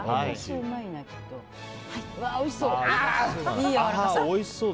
おいしそう！